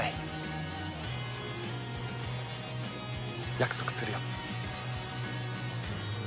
約束するよ。